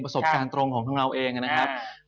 ประสบการณ์ตรงของทางเราเองนะครับ